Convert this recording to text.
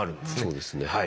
そうですね。